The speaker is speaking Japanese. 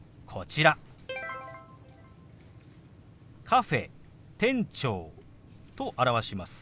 「カフェ」「店長」と表します。